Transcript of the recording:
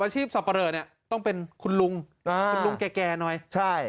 ชีพสับปะเลอเนี่ยต้องเป็นคุณลุงอ่าคุณลุงแก่แก่หน่อยใช่